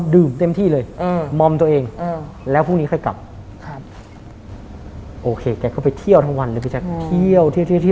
เดี๋ยวได้เหนื่อย